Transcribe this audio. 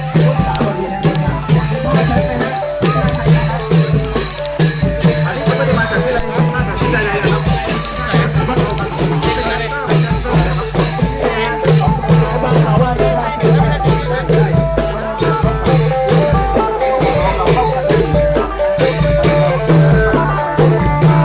เผื่อให้แบบนี้